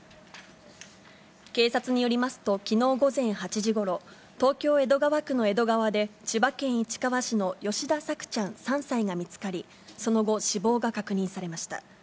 警察によりますと、きのう午前８時ごろ、東京・江戸川区の江戸川で、千葉県市川市の吉田朔ちゃん３歳が見つかり、その後、死亡が確認されました。